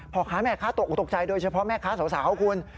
พ่อค้าแม่ค้าตกออกตกใจโดยเฉพาะแม่ค้าสาวคุณ